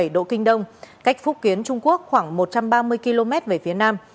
một trăm một mươi bảy bảy độ kinh đông cách phúc kiến trung quốc khoảng một trăm ba mươi km về phía nam